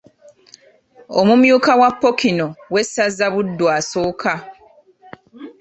Omumyuka wa Ppookino w’essaza Buddu asooka.